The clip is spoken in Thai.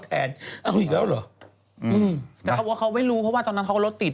แต่เขาบอกว่าเขาไม่รู้เพราะว่าตอนนั้นเขาก็รถติด